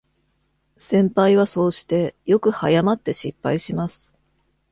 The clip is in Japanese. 先輩はそうして、よく早まって失敗します。